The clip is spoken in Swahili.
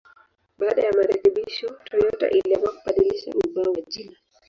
Baada ya marekebisho, Toyota iliamua kubadilisha ubao wa jina.